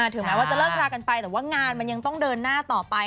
ถึงแม้ว่าจะเลิกรากันไปแต่ว่างานมันยังต้องเดินหน้าต่อไป